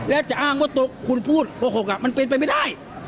และจะอ้างว่าคุณพูดโกหกมันเป็นไปไม่ได้